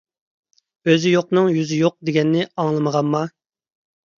ئۆزى يوقنىڭ يۈزى يوق دېگەننى ئاڭلىمىغانما؟